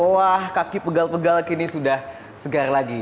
wah kaki pegal pegal kini sudah segar lagi